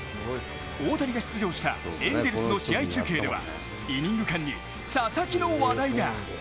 大谷が出場したエンゼルスの試合中継ではイニング間に、佐々木の話題が。